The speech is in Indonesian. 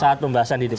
saat pembahasan di dpr